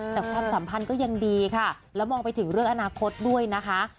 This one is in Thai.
แต่ความสัมพันธ์ก็ยังดีค่ะแล้วมองไปถึงเรื่องอนาคตด้วยนะคะ